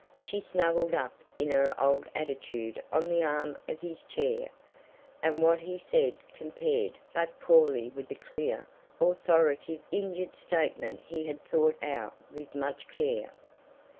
She snuggled up in her old attitude on the arm of his chair, and what he said compared but poorly with the clear, authoritative, injured statement he had thought out with much care.